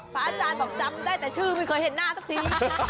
อาจารย์บอกจำได้แต่ชื่อไม่เคยเห็นหน้าสักที